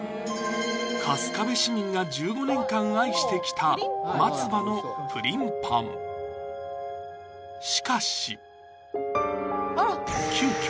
春日部市民が１５年間愛してきたまつばのプリンパンしかし急きょ